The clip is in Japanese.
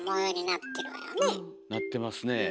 なってますねえ。